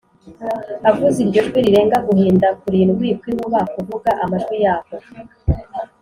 avuze iryo jwi rirenga guhinda kurindwi kw’inkuba kuvuga amajwi yako.